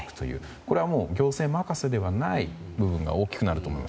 これは、行政任せではない部分が大きくなると思います。